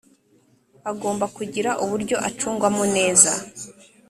agomba kugira uburyo acungwa mo neza